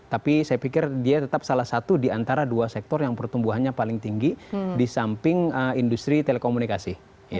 tapi saya pikir dia tetap salah satu di antara dua sektor yang pertumbuhannya paling tinggi di samping industri telekomunikasi